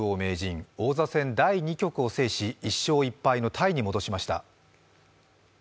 王座戦第２局を制し１勝１敗のタイに戻しました。